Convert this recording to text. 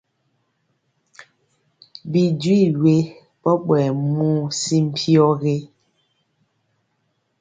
Bi jwi we ɓɔɓɔyɛ muu si mpyɔ gé?